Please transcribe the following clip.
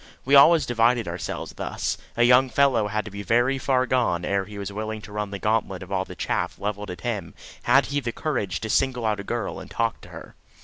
We always divided ourselves thus. A young fellow had to be very far gone ere he was willing to run the gauntlet of all the chaff levelled at him had he the courage to single out a girl and talk to her.